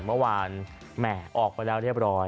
เมื่อวานแหม่ออกไปแล้วเรียบร้อย